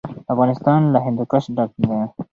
افغانستان له هندوکش ډک دی.